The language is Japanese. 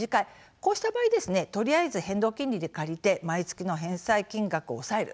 こうした場合とりあえず変動金利で借りて毎月の返済金額を抑える。